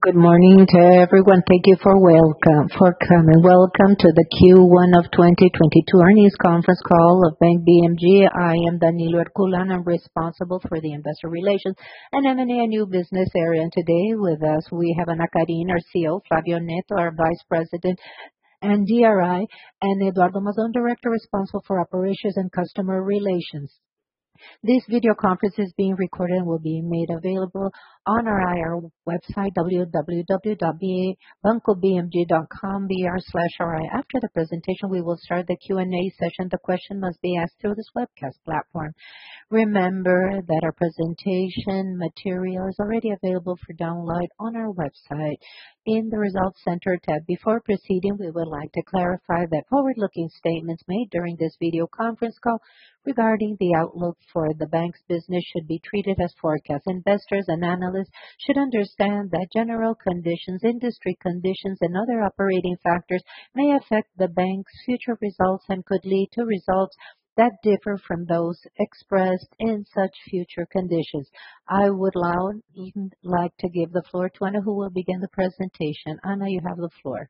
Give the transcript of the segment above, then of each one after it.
Good morning to everyone. Thank you for coming. Welcome to the Q1 of 2022 Earnings Conference Call of Banco BMG. I am Danilo Herculano, I am responsible for the Investor Relations and M&A New Business area. Today with us we have Ana Karina, our CEO, Flávio Neto, our Vice President and DRI, and Eduardo Mazon, Director responsible for Operations and Customer Relations. This video conference is being recorded and will be made available on our IR website www.bancobmg.com/br/ir. After the presentation, we will start the Q&A session. The question must be asked through this webcast platform. Remember that our presentation material is already available for download on our website in the Results Center tab. Before proceeding, we would like to clarify that forward-looking statements made during this video conference call regarding the outlook for the bank's business should be treated as forecast. Investors and analysts should understand that general conditions, industry conditions and other operating factors may affect the bank's future results and could lead to results that differ from those expressed in such future conditions. I would now like to give the floor to Ana, who will begin the presentation. Ana, you have the floor.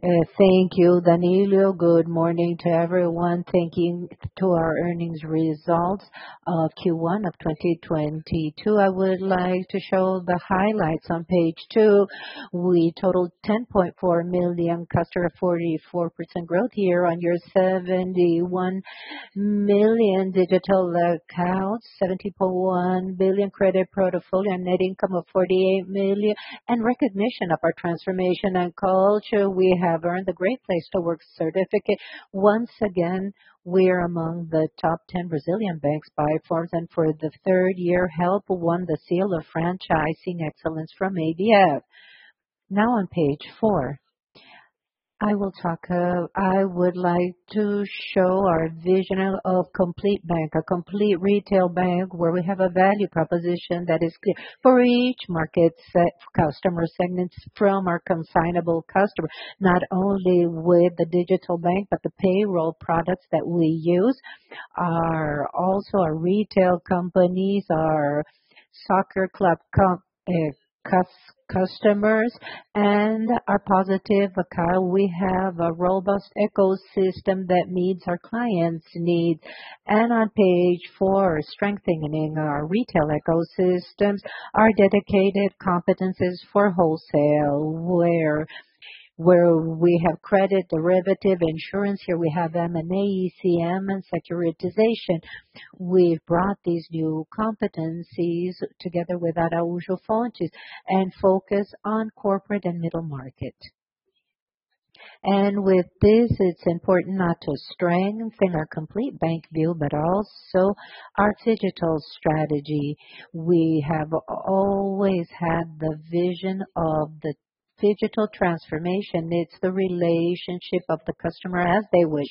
Thank you, Danilo. Good morning to everyone. Thank you to our earnings results of Q1 of 2022. I would like to show the highlights on page two. We totaled 10.4 million customer, 44% growth year-over-year, 71 million digital accounts, 70.1 billion credit portfolio, net income of 48 million. In recognition of our transformation and culture we have earned the Great Place to Work certificate. Once again, we are among the 10 Brazilian banks by Forbes and for the third year help won the Seal of Franchising Excellence from ABF. On page four, I will talk, I would like to show our vision of complete bank, a complete retail bank, where we have a value proposition that is clear for each market customer segments from our consignable customer, not only with the digital bank, but the payroll products that we use are also our retail companies, our soccer club customers and our positive account. We have a robust ecosystem that meets our clients' needs. On page four, strengthening our retail ecosystems, our dedicated competencies for wholesale, where we have credit derivative insurance. Here we have M&A, ECM and securitization. We've brought these new competencies together with Araujo Fontes and focus on corporate and middle market. With this, it's important not to strengthen our complete bank view, but also our digital strategy. We have always had the vision of the digital transformation. It's the relationship of the customer as they wish.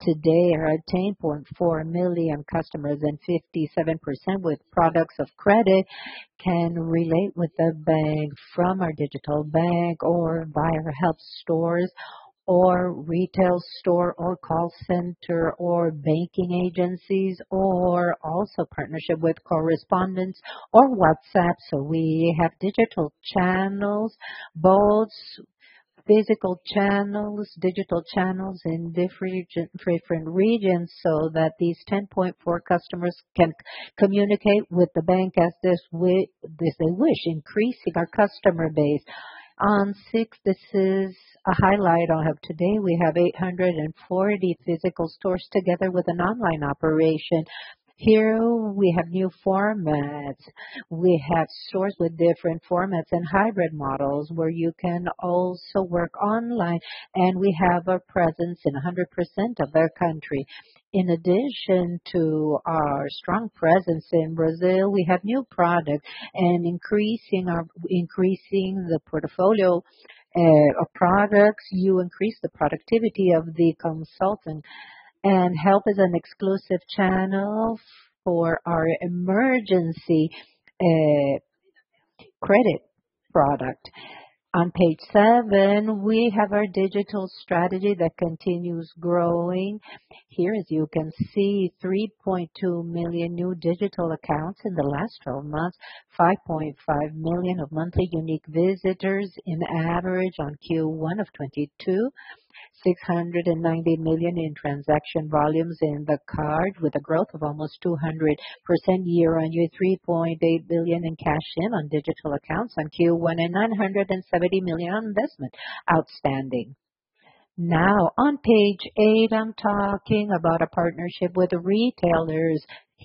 Today our 10.4 million customers and 57% with products of credit can relate with the Bank from our digital Bank or via health stores or retail store or call center or banking agencies or also partnership with correspondents or WhatsApp. We have digital channels, both physical channels, digital channels in different regions, so that these 10.4 customers can communicate with the Bank as they wish, increasing our customer base. On six, this is a highlight I have today. We have 840 physical stores together with an online operation. Here we have new formats. We have stores with different formats and hybrid models where you can also work online, and we have a presence in 100% of our country. In addition to our strong presence in Brazil, we have new products and increasing the portfolio of products. You increase the productivity of the consultant and help as an exclusive channel for our emergency credit product. On page seven, we have our digital strategy that continues growing. Here, as you can see, 3.2 million new digital accounts in the last 12 months, 5.5 million of monthly unique visitors on average on Q1 of 2022. 690 million in transaction volumes in the card with a growth of almost 200% year-on-year, 3.8 billion in cash in on digital accounts on Q1 and 970 million on investment. Outstanding. Now on page eight, I'm talking about a partnership with retailers.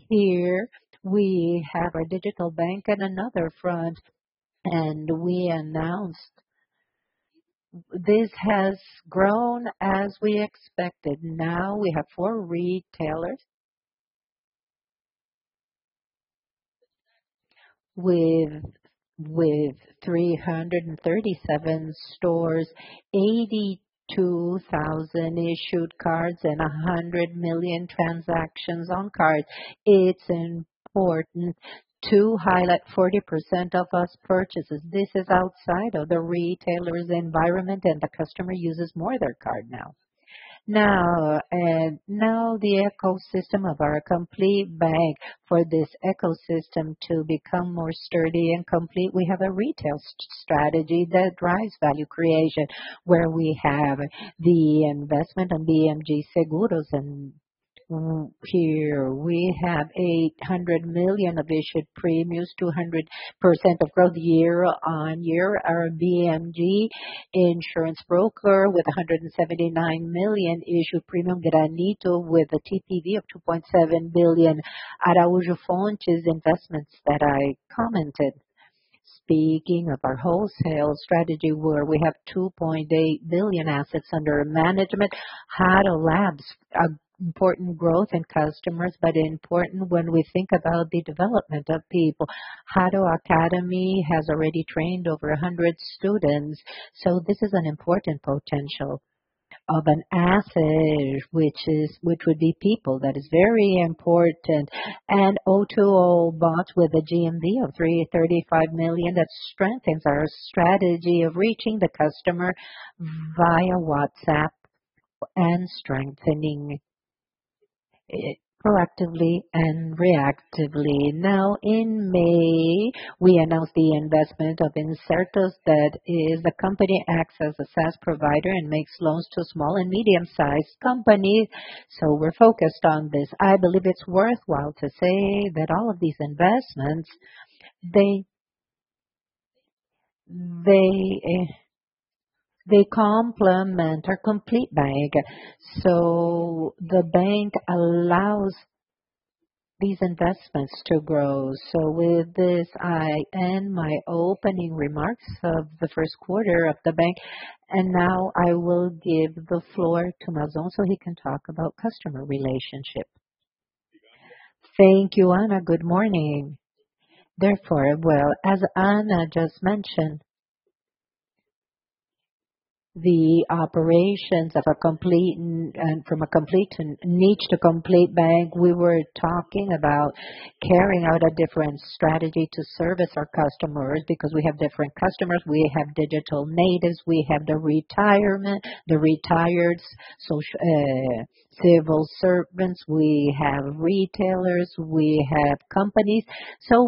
Here we have our digital bank on another front, and we announced. This has grown as we expected. Now we have four retailers with 337 stores, 82,000 issued cards and 100 million transactions on cards. It's important to highlight 40% of our purchases. This is outside of the retailers' environment and the customer uses more their card now. Now, now the ecosystem of our complete bank. For this ecosystem to become more sturdy and complete, we have a retail strategy that drives value creation, where we have the investment on Bmg Seguros and here we have 800 million of issued premiums, 200% of growth year-over-year. Our BMG insurance broker with 179 million issued premium, Granito with a TPV of 2.7 billion, Araujo Fontes investments that I commented. Speaking of our wholesale strategy, we have 2.8 billion assets under management. Hado Labs, important growth in customers, but important when we think about the development of people. Hado Academy has already trained over 100 students, so this is an important potential of an asset which would be people. That is very important. O2O bot with a GMV of 335 million that strengthens our strategy of reaching the customer via WhatsApp and strengthening it proactively and reactively. Now, in May, we announced the investment of Acerto. That is, the company acts as a SaaS provider and makes loans to small and medium-sized companies. We're focused on this. I believe it's worthwhile to say that all of these investments, they complement our complete bank. The bank allows these investments to grow. With this, I end my opening remarks of the first quarter of the bank, and now I will give the floor to Mazon so he can talk about customer relationship. Thank you, Ana. Good morning. Well, as Ana just mentioned, the operations of a complete niche to complete bank, we were talking about carrying out a different strategy to service our customers because we have different customers. We have digital natives, we have the retired civil servants, we have retailers, we have companies.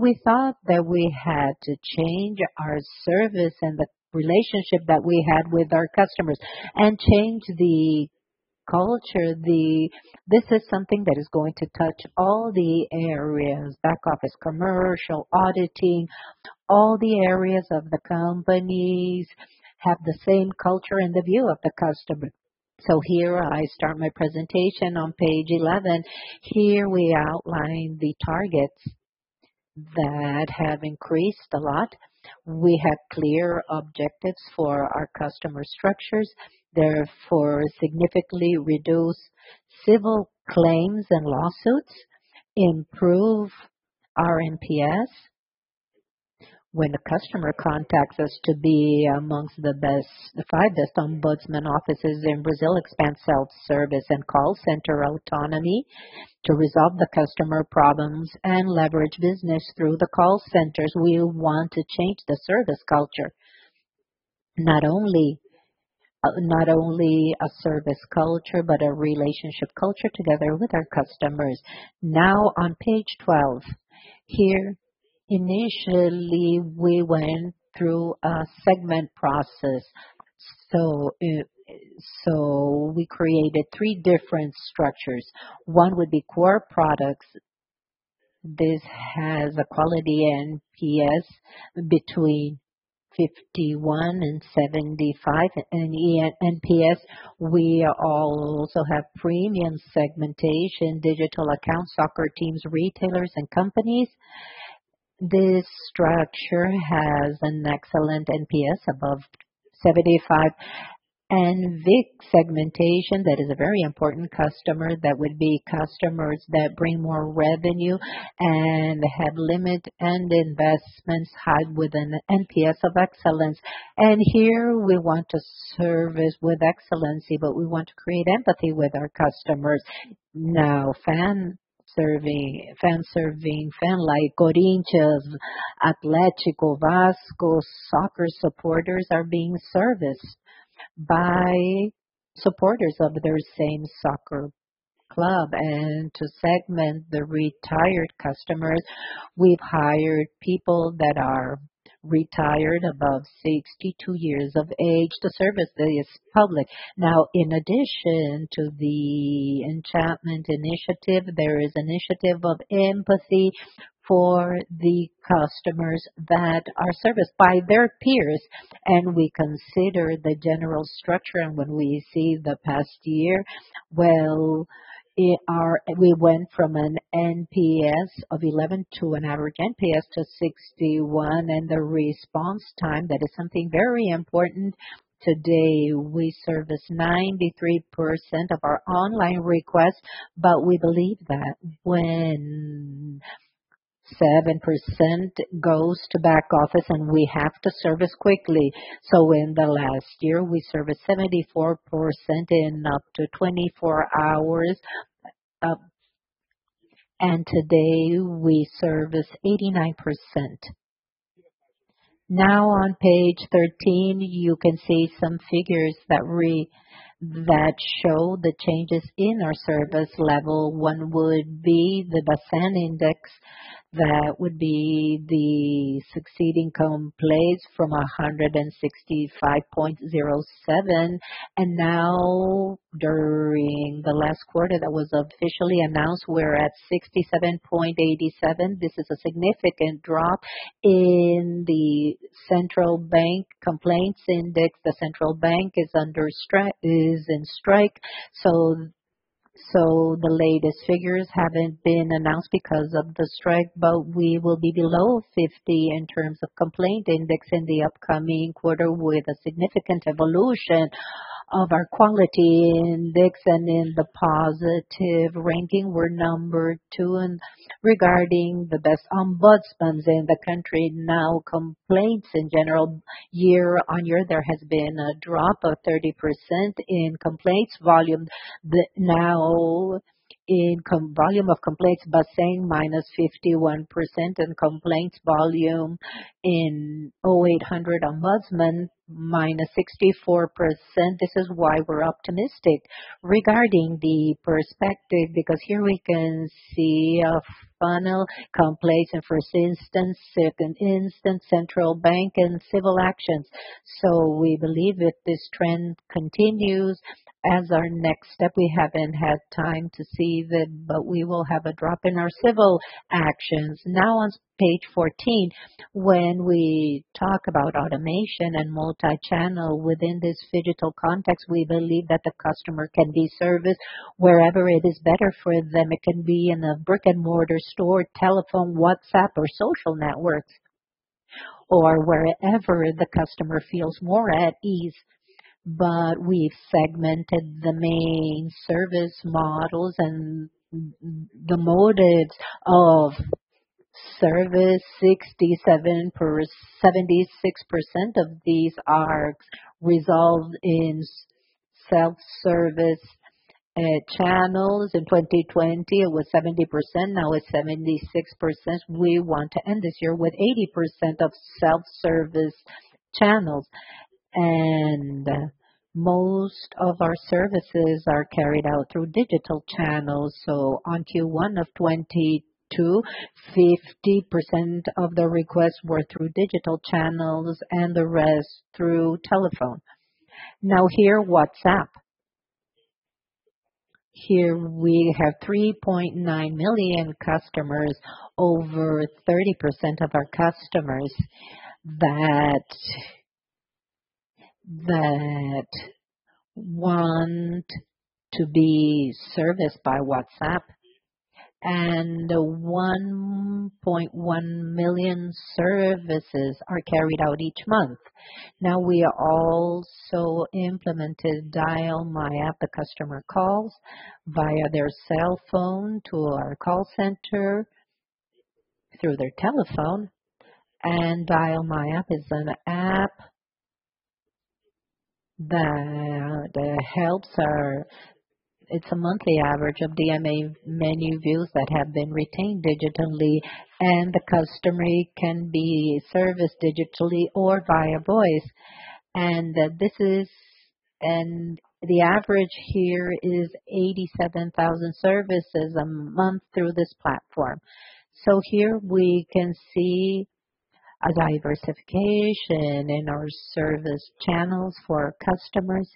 We thought that we had to change our service and the relationship that we had with our customers and change the culture. This is something that is going to touch all the areas, back office, commercial, auditing. All the areas of the companies have the same culture and the view of the customer. Here I start my presentation on page 11. Here we outline the targets that have increased a lot. We have clear objectives for our customer structures. Significantly reduce civil claims and lawsuits, improve our NPS. When a customer contacts us to be amongst the best, the five best ombudsman offices in Brazil, expand self-service and call center autonomy to resolve the customer problems and leverage business through the call centers. We want to change the service culture. Not only a service culture, but a relationship culture together with our customers. On page 12. Here, initially, we went through a segment process. We created three different structures. One would be core products. This has a quality NPS between 51 and 75 NPS. We also have premium segmentation, digital accounts, soccer teams, retailers, and companies. This structure has an excellent NPS above 75. VIC segmentation, that is a very important customer. That would be customers that bring more revenue and have limit and investments had with an NPS of excellence. Here we want to service with excellence, but we want to create empathy with our customers. Now, fan serving, fan like Corinthians, Atletico, Vasco soccer supporters are being serviced by supporters of their same soccer club. To segment the retired customers, we've hired people that are retired above 62 years of age to service this public. Now, in addition to the enchantment initiative, there is initiative of empathy for the customers that are serviced by their peers. We consider the general structure and when we see the past year, well, our NPS went from an NPS of 11 to an average NPS to 61. The response time, that is something very important. Today, we service 93% of our online requests, but we believe that when 7% goes to back office and we have to service quickly. In the last year, we serviced 74% in up to 24 hours. Today we service 89%. On page 13, you can see some figures that show the changes in our service level. One would be the Bacen index. That would be the succeeding complaints from 165.07. Now during the last quarter that was officially announced, we're at 67.87%. This is a significant drop in the Central Bank complaints index. The Central Bank is in strike. The latest figures haven't been announced because of the strike, but we will be below 50 in terms of complaint index in the upcoming quarter with a significant evolution of our quality index. In the positive ranking, we're number two in regarding the best ombudsman in the country. Complaints in general, year-on-year, there has been a drop of 30% in complaints volume. Now in volume of complaints, Bacen -51% in complaints volume in 0800 ombudsman -64%. This is why we're optimistic regarding the perspective, because here we can see a final complaints in first instance, second instance, Central Bank and civil actions. We believe if this trend continues as our next step, we haven't had time to see that, but we will have a drop in our civil actions. On page 14, when we talk about automation and multi-channel within this digital context, we believe that the customer can be serviced wherever it is better for them. It can be in a brick-and-mortar store, telephone, WhatsApp or social networks, or wherever the customer feels more at ease. We've segmented the main service models and the motives of service. 76% of these are resolved in self-service channels. In 2020, it was 70%, now it's 76%. We want to end this year with 80% of self-service channels. Most of our services are carried out through digital channels. On Q1 of 2022, 50% of the requests were through digital channels and the rest through telephone. Here, WhatsApp. Here we have 3.9 million customers, over 30% of our customers that want to be serviced by WhatsApp. 1.1 million services are carried out each month. We also implemented Dial My App. The customer calls via their cell phone to our call center through their telephone. Dial My App is an app. It's a monthly average of DMA menu views that have been retained digitally, and the customer can be serviced digitally or via voice. The average here is 87,000 services a month through this platform. Here we can see a diversification in our service channels for our customers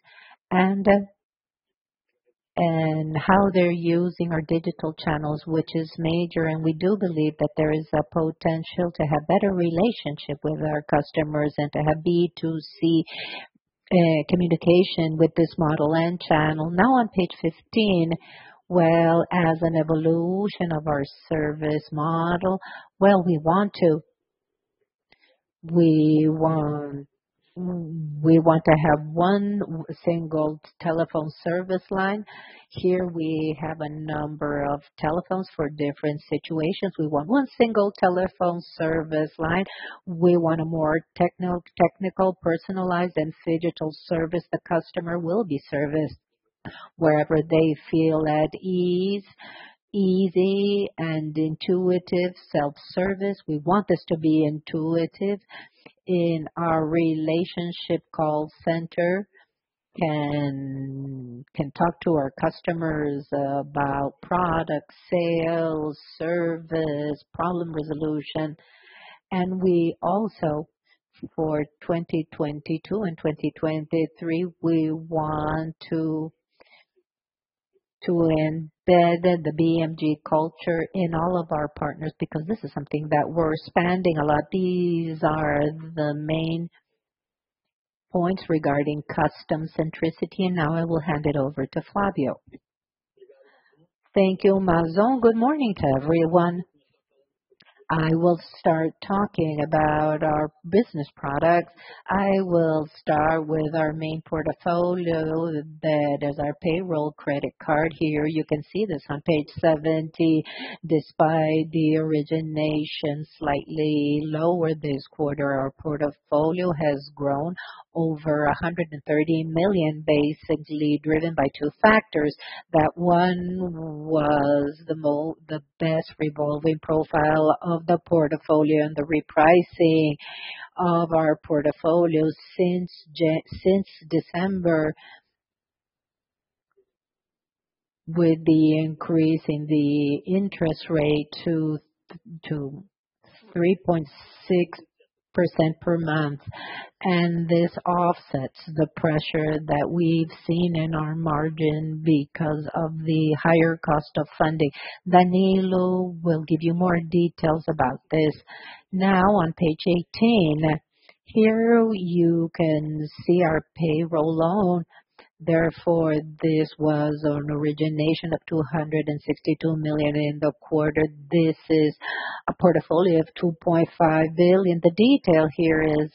and how they're using our digital channels, which is major. We do believe that there is a potential to have better relationship with our customers and to have B2C communication with this model and channel. On page 15, well, as an evolution of our service model, well, we want to have one single telephone service line. Here we have a number of telephones for different situations. We want one single telephone service line. We want a more technical, personalized and digital service. The customer will be serviced wherever they feel at ease, easy and intuitive self-service. We want this to be intuitive in our relationship call center can talk to our customers about product sales, service, problem resolution. We also, for 2022 and 2023, we want to embed the BMG culture in all of our partners because this is something that we're expanding a lot. These are the main points regarding customer centricity. Now I will hand it over to Flávio. Thank you, Mazon. Good morning to everyone. I will start talking about our business products. I will start with our main portfolio that is our payroll credit card. Here you can see this on page 70. Despite the origination slightly lower this quarter, our portfolio has grown over 130 million, basically driven by two factors. That one was the best revolving profile of the portfolio and the repricing of our portfolio since December with the increase in the interest rate to 3.6% per month. This offsets the pressure that we've seen in our margin because of the higher cost of funding. Danilo will give you more details about this. On page 18, here you can see our payroll loan. This was an origination of 262 million in the quarter. This is a portfolio of 2.5 billion. The detail here is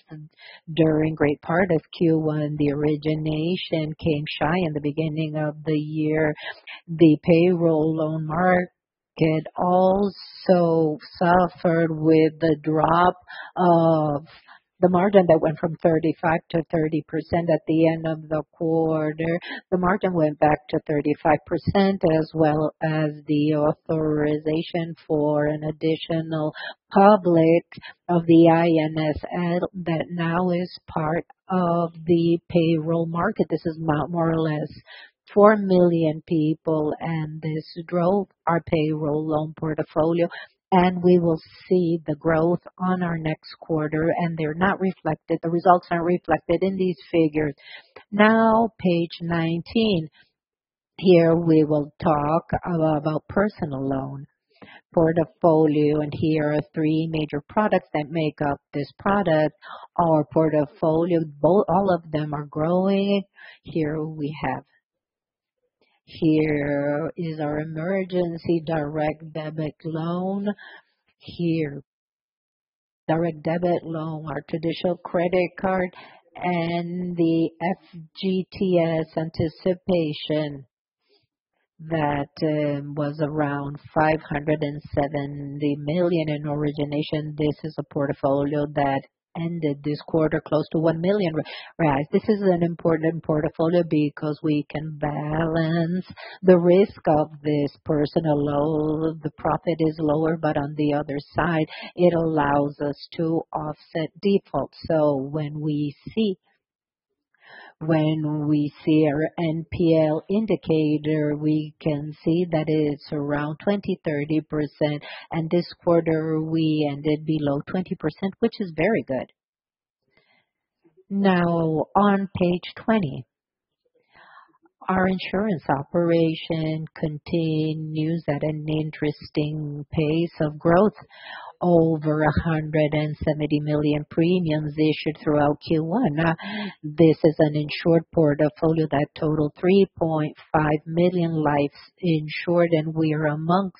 during great part of Q1, the origination came shy in the beginning of the year. The payroll loan market also suffered with the drop of the margin that went from 35%-30% at the end of the quarter. The margin went back to 35% as well as the authorization for an additional public of the INSS that now is part of the payroll market. This is more or less 4 million people, and this drove our payroll loan portfolio, and we will see the growth on our next quarter. The results are reflected in these figures. Now, page 19. Here we will talk about personal loan portfolio. Here are three major products that make up this product. Our portfolio, all of them are growing. Here is our emergency direct debit loan. Here, direct debit loan, our traditional credit card and the FGTS anticipation that was around 570 million in origination. This is a portfolio that ended this quarter close to 1 million reais. This is an important portfolio because we can balance the risk of this personal loan. The profit is lower, but on the other side, it allows us to offset default. When we see our NPL indicator, we can see that it's around 20%, 30% and this quarter we ended below 20%, which is very good. On page 20. Our insurance operation continues at an interesting pace of growth. Over 170 million premiums issued throughout Q1. This is an insured portfolio that totaled 3.5 million lives insured and we are amongst.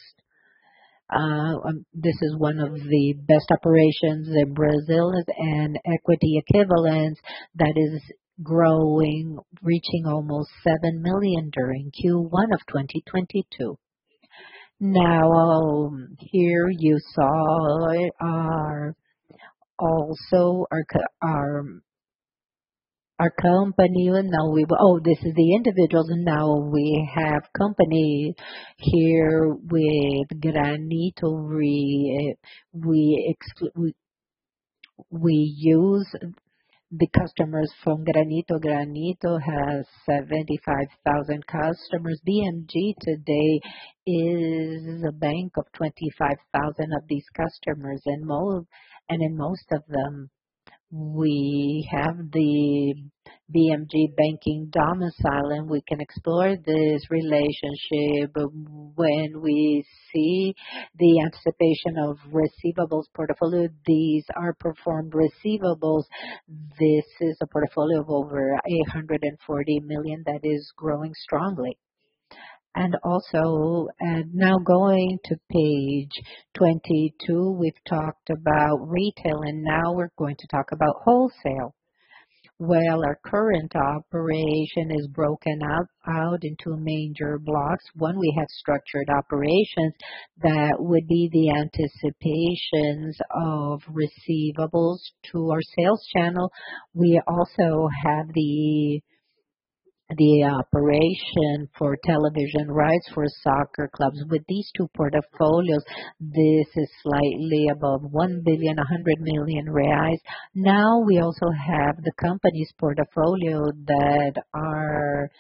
This is one of the best operations in Brazil and equity equivalent that is growing, reaching almost 7 million during Q1 of 2022. Now, here you saw our, also our company and now this is the individuals and now we have company here with Granito. We use the customers from Granito. Granito has 75,000 customers. BMG today is a bank of 25,000 of these customers and in most of them, we have the BMG banking domicile, and we can explore this relationship when we see the anticipation of receivables portfolio. These are performed receivables. This is a portfolio of over 140 million that is growing strongly. Also, now going to page 22. We've talked about retail and now we're going to talk about wholesale. Well, our current operation is broken up, out into major blocks. One, we have structured operations that would be the anticipations of receivables to our sales channel. We also have the operation for television rights for soccer clubs. With these two portfolios, this is slightly above 1.1 billion. We also have the company's portfolio that are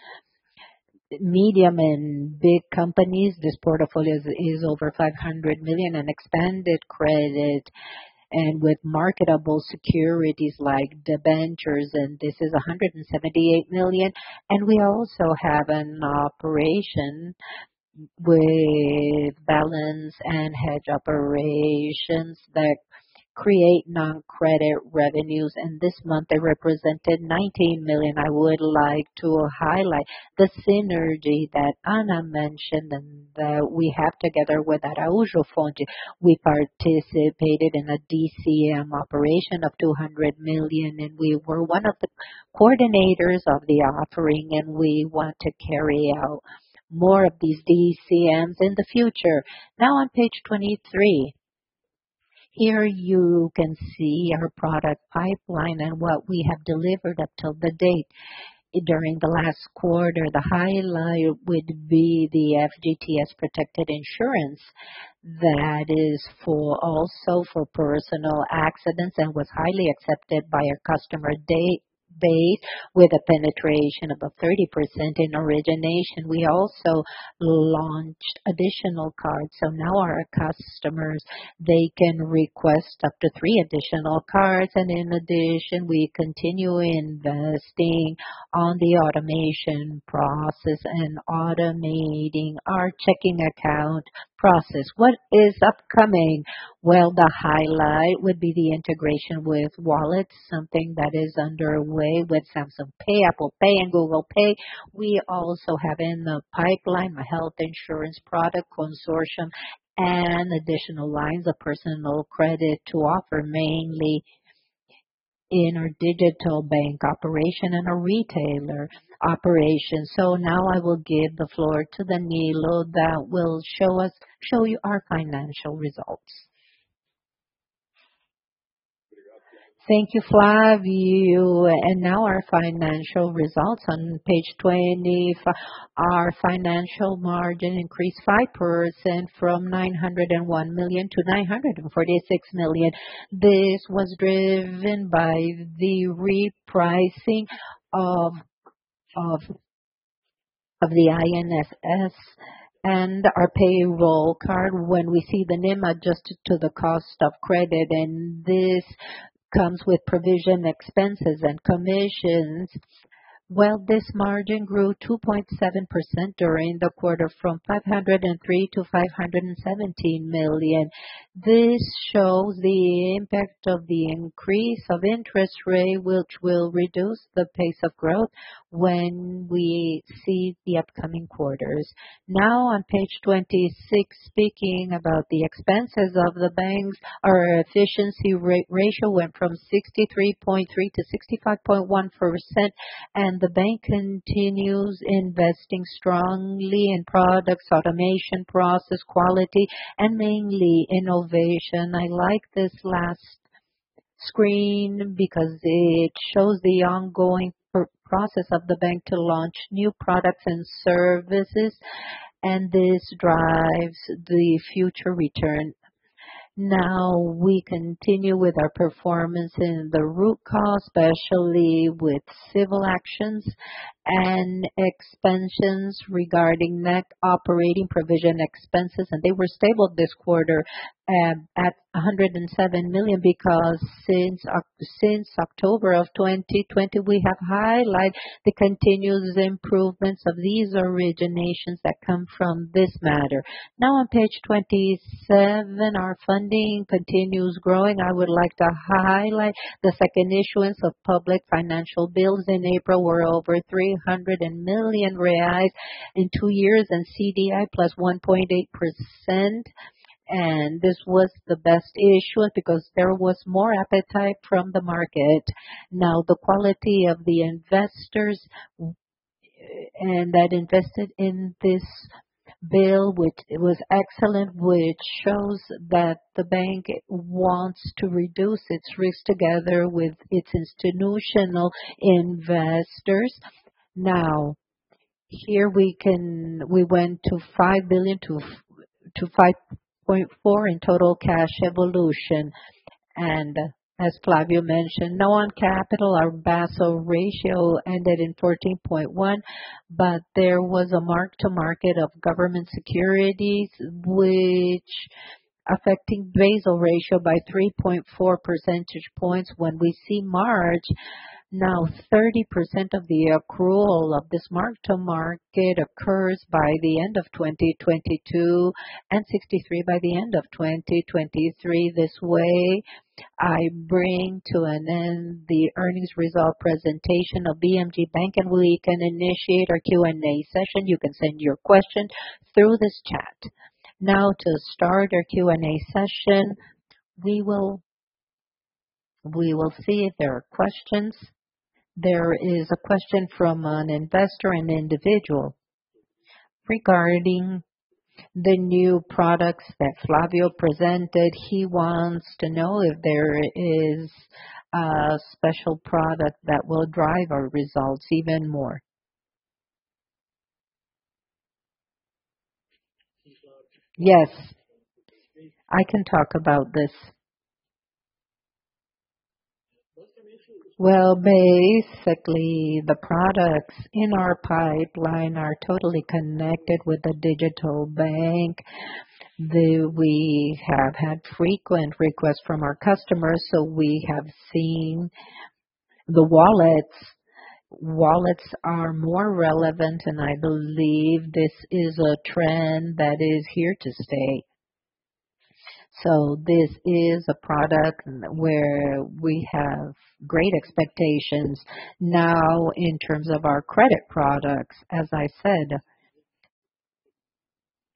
medium and big companies. This portfolio is over 500 million in expanded credit and with marketable securities like debentures, this is 178 million. We also have an operation with balance and hedge operations that create non-credit revenues. This month they represented 19 million. I would like to highlight the synergy that Ana Karina mentioned and that we have together with Araujo Fontes. We participated in a DCM operation of 200 million. We were one of the coordinators of the offering. We want to carry out more of these DCMs in the future. Now on page 23. Here you can see our product pipeline and what we have delivered up till the date. During the last quarter, the highlight would be the FGTS Protected insurance that is also for personal accidents and was highly accepted by our customer. TheyBase with a penetration above 30% in origination. We also launched additional cards. Now our customers, they can request up to three additional cards. In addition, we continue investing on the automation process and automating our checking account process. What is upcoming? Well, the highlight would be the integration with Wallet, something that is underway with Samsung Pay, Apple Pay, and Google Pay. We also have in the pipeline a health insurance product consortium and additional lines of personal credit to offer mainly in our digital bank operation and our retailer operation. Now I will give the floor to Danilo that will show you our financial results. Thank you, Flávio. Now our financial results. On page 20, our financial margin increased 5% from 901 million to 946 million. This was driven by the repricing of the INSS and our payroll credit card when we see the NIM adjusted to the cost of credit, and this comes with provision expenses and commissions. Well, this margin grew 2.7% during the quarter, from 503 million to 517 million. This shows the impact of the increase of interest rate, which will reduce the pace of growth when we see the upcoming quarters. On page 26, speaking about the expenses of the banks, our efficiency ratio went from 63.3% to 65.1%, the bank continues investing strongly in products, automation, process, quality, and mainly innovation. I like this last screen because it shows the ongoing process of the bank to launch new products and services, this drives the future return. We continue with our performance in the recourse, especially with civil actions and expansions regarding net operating provision expenses. They were stable this quarter at 107 million because since October of 2020, we have highlighted the continuous improvements of these originations that come from this matter. On page 27, our funding continues growing. I would like to highlight the second issuance of public financial bills in April were over 300 million reais in two years and CDI +1.8%. This was the best issuance because there was more appetite from the market. The quality of the investors that invested in this bill, which was excellent, which shows that the bank wants to reduce its risk together with its institutional investors. Here we went to 5 billion to 5.4 billion in total cash evolution, as Flávio mentioned. On capital, our Basel ratio ended in 14.1. There was a mark-to-market of government securities which affecting Basel ratio by 3.4 percentage points when we see March. 30% of the accrual of this mark-to-market occurs by the end of 2022 and 63% by the end of 2023. This way I bring to an end the earnings result presentation of Banco BMG. We can initiate our Q&A session. You can send your question through this chat. To start our Q&A session, we will see if there are questions. There is a question from an investor and individual regarding the new products that Flávio presented. He wants to know if there is a special product that will drive our results even more. Yes, I can talk about this. Well, basically, the products in our pipeline are totally connected with the digital bank. We have had frequent requests from our customers. We have seen the wallets. Wallets are more relevant. I believe this is a trend that is here to stay. This is a product where we have great expectations. In terms of our credit products, as I said,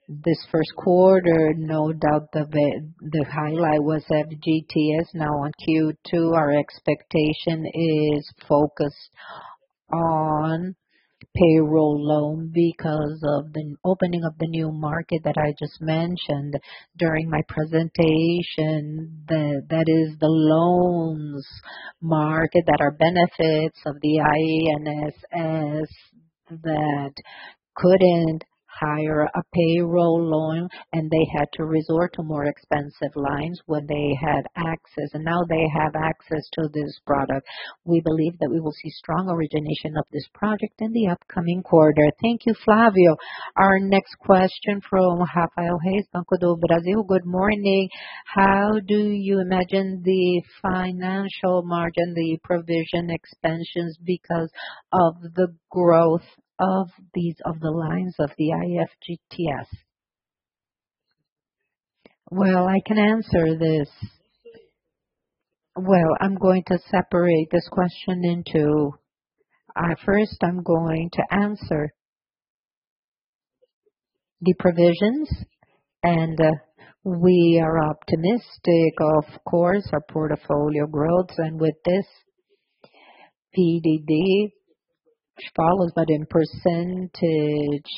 this first quarter, no doubt the highlight was FGTS. On Q2, our expectation is focused on payroll loan because of the opening of the new market that I just mentioned during my presentation. That is the loans market that are benefits of the INSS that couldn't hire a payroll loan and they had to resort to more expensive lines when they had access, and now they have access to this product. We believe that we will see strong origination of this project in the upcoming quarter. Thank you, Flávio. Our next question from Rafael Reis, Banco do Brasil. Good morning. How do you imagine the financial margin, the provision expansions because of the growth of these of the lines of the FGTS? I can answer this. I'm going to separate this question into. First, I'm going to answer the provisions. We are optimistic, of course, our portfolio growth. With this PDD follows, but in percentage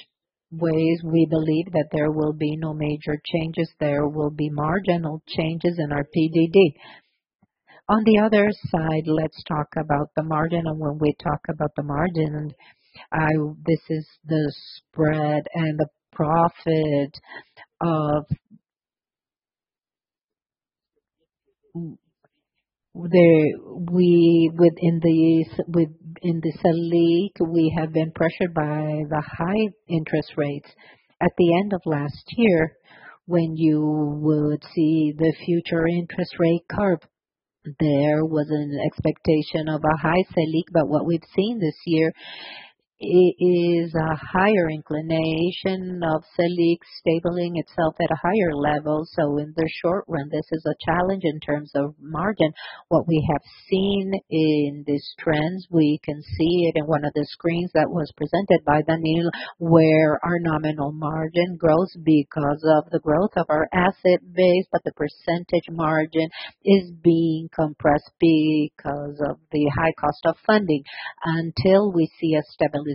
ways, we believe that there will be no major changes. There will be marginal changes in our PDD. On the other side, let's talk about the margin. When we talk about the margin, I this is the spread and the profit of. Within these in the Selic, we have been pressured by the high interest rates. At the end of last year, when you would see the future interest rate curve, there was an expectation of a high Selic. What we've seen this year is a higher inclination of Selic stabilizing itself at a higher level. In the short run, this is a challenge in terms of margin. What we have seen in these trends, we can see it in one of the screens that was presented by Danilo, where our nominal margin grows because of the growth of our asset base. The percentage margin is being compressed because of the high cost of funding. Until we see a stabilization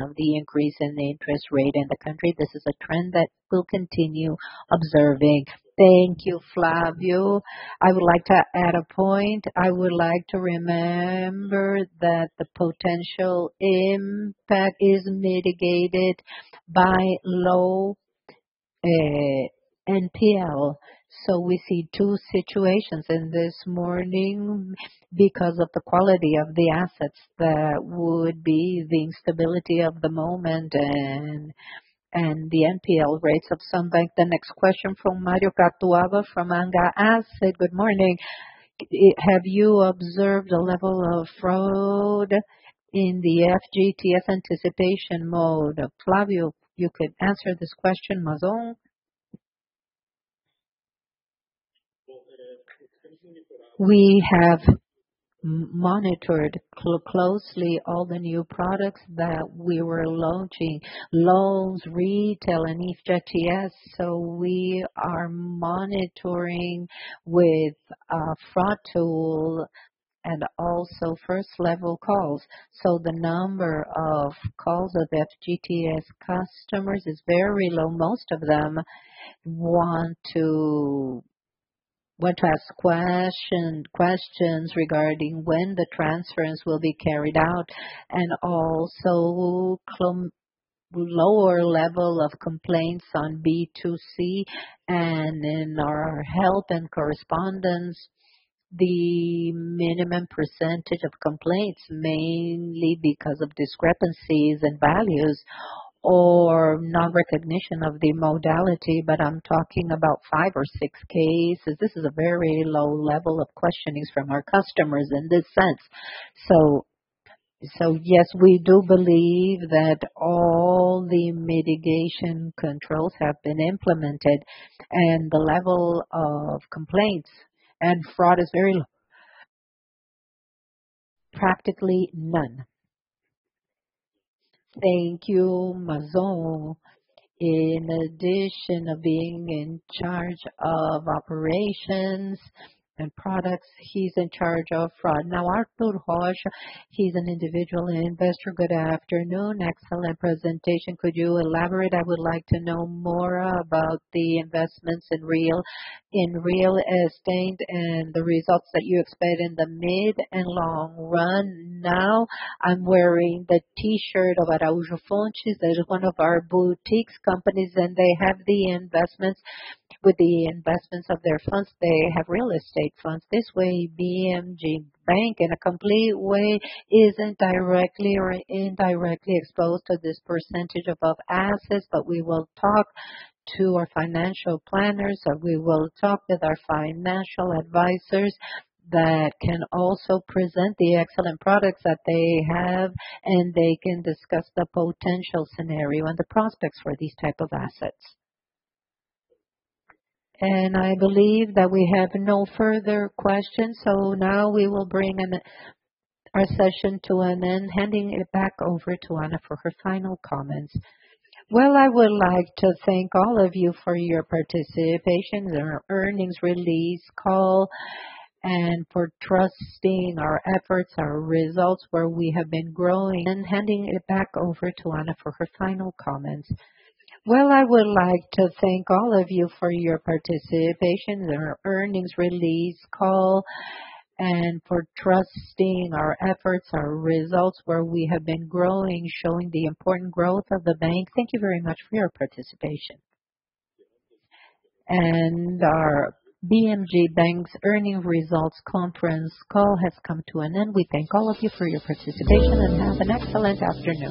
of the increase in the interest rate in the country, this is a trend that we'll continue observing. Thank you, Flávio. I would like to add a point. I would like to remember that the potential impact is mitigated by low NPL. We see two situations in this morning because of the quality of the assets that would be the instability of the moment and the NPL rates of some bank. The next question from Mário Garava from Anga Asset. Good morning. Have you observed a level of fraud in the FGTS anticipation mode? Flávio, you could answer this question. Mazon. We have monitored closely all the new products that we were launching, loans, retail, and FGTS. We are monitoring with a fraud tool and also first level calls. The number of calls of FGTS customers is very low. Most of them want to ask questions regarding when the transfers will be carried out. Also lower level of complaints on B2C and in our help and correspondence, the minimum percentage of complaints, mainly because of discrepancies in values or non-recognition of the modality. I'm talking about five or six cases. This is a very low level of questionings from our customers in this sense. Yes, we do believe that all the mitigation controls have been implemented and the level of complaints and fraud is very low. Practically none. Thank you, Mazon. In addition of being in charge of Operations and Products, he's in charge of Fraud. Arthur Rocha, he's an individual investor. Good afternoon. Excellent presentation. Could you elaborate? I would like to know more about the investments in real estate and the results that you expect in the mid and long run. I'm wearing the T-shirt of Araujo Fontes. That is one of our boutiques companies, and they have the investments. With the investments of their funds, they have real estate funds. This way, Banco BMG in a complete way isn't directly or indirectly exposed to this percentage above assets. We will talk to our financial planners or we will talk with our financial advisors that can also present the excellent products that they have, and they can discuss the potential scenario and the prospects for these type of assets. I believe that we have no further questions. Now we will bring our session to an end. Handing it back over to Ana for her final comments. Well, I would like to thank all of you for your participation in our earnings release call and for trusting our efforts, our results, where we have been growing. Handing it back over to Ana for her final comments. Well, I would like to thank all of you for your participation in our Earnings Release Call and for trusting our efforts, our results, where we have been growing, showing the important growth of the bank. Thank you very much for your participation. Our BMG Bank's Earning Results Conference Call has come to an end. We thank all of you for your participation, and have an excellent afternoon.